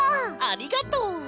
ありがとう！